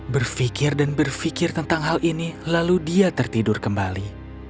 berpikir dan berpikir tentang hal ini lalu dia tertidur kembali